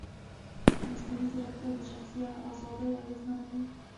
مصنوعي ځیرکتیا د شخصي ازادۍ اغېزمنوي.